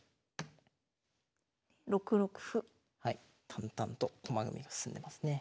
淡々と駒組みが進んでますね。